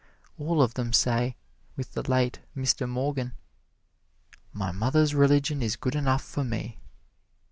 All of them say, with the late Mr. Morgan, "My mother's religion is good enough for me."